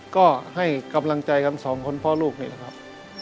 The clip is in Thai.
ก็ให้กำลังใจกันสองคนพ่อลูกนี่แหละครับ